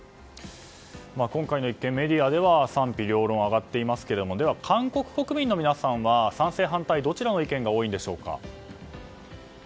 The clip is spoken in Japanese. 今回の一件、メディアでは賛否両論上がっていますが韓国国民の皆さんは賛成、反対どちらの意見が多いんでしょうか？